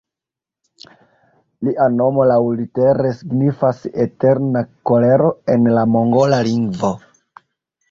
Lia nomo laŭlitere signifas "Eterna Kolero" en la mongola lingvo.